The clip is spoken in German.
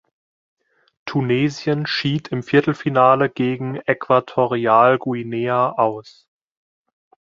Tunesien schied im Viertelfinale gegen Äquatorialguinea aus.